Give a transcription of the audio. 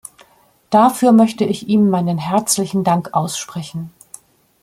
Dafür möchte ich ihm meinen herzlichen Dank aussprechen.